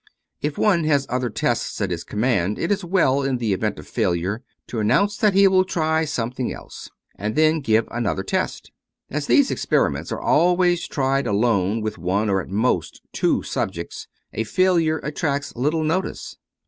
If one has other tests at his command, it is well, in the event of failure, to announce that he will try something else, and 257 True Stories of Modern Magic then give another test. As these experiments are always tried alone with one or, at most, two subjects, a failure attracts little notice.